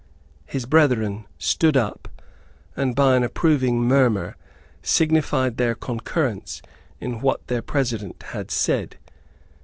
His brethren stood up, and by an approving murmur signified their concurrence in what their President had said.